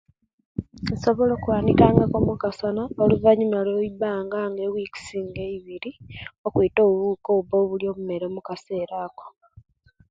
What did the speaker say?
Nsobola okuwanikangaku omukasana oluvanyuma olwe eibanga nga ewikis eibiri okwita obuwuka obuba mumere mukasera ako